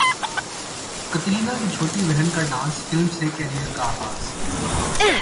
کترینہ کی چھوٹی بہن کا ڈانس فلم سے کیریئر کا اغاز